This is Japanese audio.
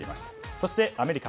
そしてアメリカ。